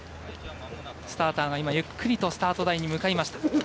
スターターがスタート台に向かいました。